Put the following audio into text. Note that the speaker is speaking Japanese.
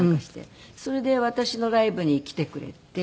それで私のライブに来てくれて。